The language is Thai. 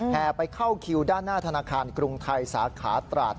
ไปเข้าคิวด้านหน้าธนาคารกรุงไทยสาขาตราด